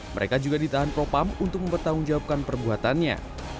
mereka juga ditahan propam untuk mempertanggungjawabkan perbuatannya